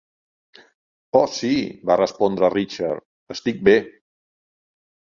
"Oh, sí", va respondre Richard, "Estic bé."